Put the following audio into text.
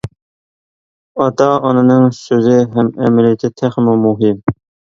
ئاتا-ئانىنىڭ سۆزى ھەم ئەمەلىيىتى تېخىمۇ مۇھىم.